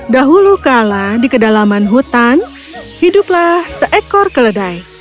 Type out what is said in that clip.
dahulu kala di kedalaman hutan hiduplah seekor keledai